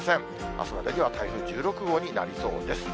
あすまでには台風１６号になりそうです。